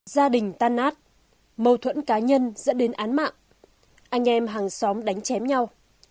gia đình tan nát mâu thuẫn cá nhân dẫn đến án mạng anh em hàng xóm đánh chém nhau